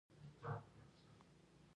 په زر دوه سوه اوه نوي کال پرېکړه وشوه.